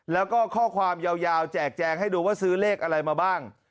แล้วก็ข้อความยาวแจกแจงให้ดูว่าซื้อเลขอะไรมาบ้าง